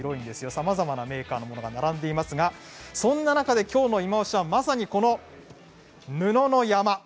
さまざまなメーカーのものが並んでいますがそんな中で今のいまオシはきょうのいまオシは布の山